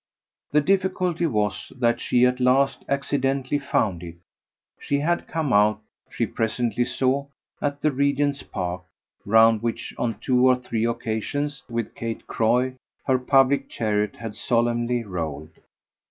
The difficulty was that she at last accidentally found it; she had come out, she presently saw, at the Regent's Park, round which on two or three occasions with Kate Croy her public chariot had solemnly rolled.